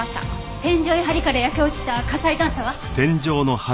天井や梁から焼け落ちた火災残渣は？